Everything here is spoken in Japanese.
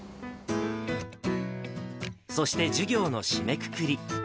そして授業の締めくくり。